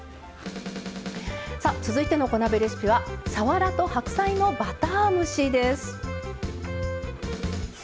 続いての小鍋レシピはさわらと白菜のバター蒸しです。